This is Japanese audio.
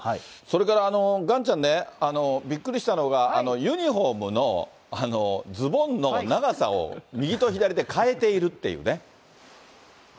それから、ガンちゃんね、びっくりしたのが、ユニホームのズボンの長さを、右と左で変えているっていうね。